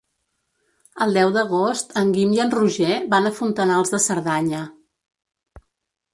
El deu d'agost en Guim i en Roger van a Fontanals de Cerdanya.